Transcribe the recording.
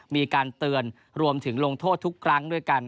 มีการเตือนรวมถึงลงโทษทุกครั้งด้วยกัน